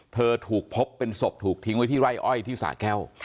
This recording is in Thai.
ถูกพบเป็นศพถูกทิ้งไว้ที่ไร่อ้อยที่สะแก้ว